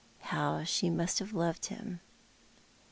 " How she must have loved him !